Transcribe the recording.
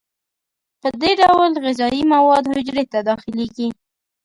په دې ډول غذایي مواد حجرې ته داخلیږي.